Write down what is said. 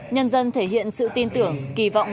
nhân dân thể hiện sự tin tưởng kỳ vọng